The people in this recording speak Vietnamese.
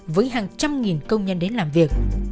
với hàng trăm nghìn công nhân đến làm việc